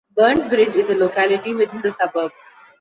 Burnt Bridge is a locality within the suburb.